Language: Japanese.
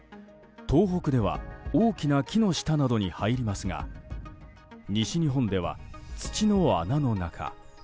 東北では大きな木の下などに入りますが西日本では土の穴の中。